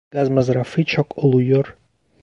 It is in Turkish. Gaz masrafı çok oluyor.